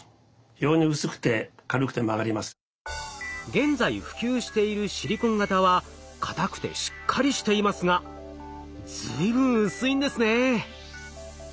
現在普及しているシリコン型は硬くてしっかりしていますが随分薄いんですね。